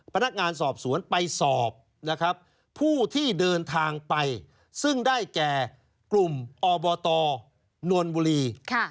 พนักงานสอบสวนไปสอบผู้ที่เดินทางไปซึ่งได้แก่กลุ่มอบตศนลมิวลี